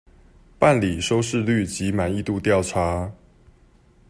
辦理收視率及滿意度調查